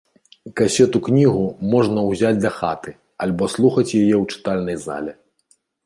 Касету-кнігу можна ўзяць дахаты альбо слухаць яе ў чытальнай зале.